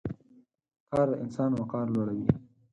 کار د انسان وقار لوړوي.